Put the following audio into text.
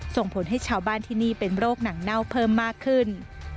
ส่งผลให้ชาวบ้านที่นี่เป็นโรคหนังเน่าเพิ่มมากขึ้น